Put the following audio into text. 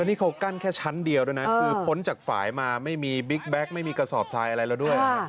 นี่เขากั้นแค่ชั้นเดียวด้วยนะคือพ้นจากฝ่ายมาไม่มีบิ๊กแก๊กไม่มีกระสอบทรายอะไรแล้วด้วย